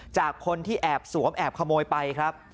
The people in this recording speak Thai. จากคนที่แอบสวมแอบขโมยไปครับ